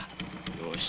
よし！